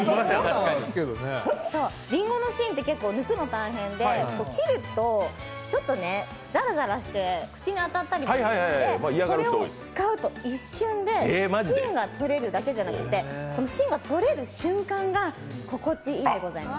りんごの芯って結構抜くの大変で、切るとちょっとざらざらして口に当たったりするのでこれを使うと一瞬で芯が取れるだけじゃなくて芯が取れる瞬間が心地いいんでございます。